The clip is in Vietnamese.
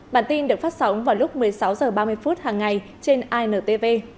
bản tin được phát sóng vào lúc một mươi sáu h ba mươi phút hàng ngày trên intv